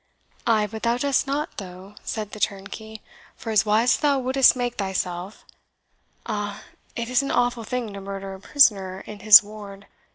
"Ay, but thou dost not, though," said the turnkey, "for as wise as thou wouldst make thyself. Ah, it is an awful thing to murder a prisoner in his ward!